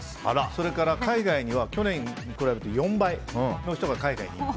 それから、海外には去年に比べて４倍の人が海外に行く。